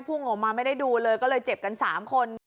พุ่งออกมาไม่ได้ดูเลยก็เลยเจ็บกัน๓คน